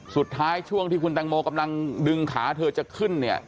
ช่วงที่คุณตังโมกำลังดึงขาเธอจะขึ้นเนี่ย